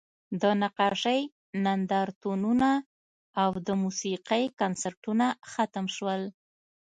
د نقاشۍ نندارتونونه او د موسیقۍ کنسرتونه ختم شول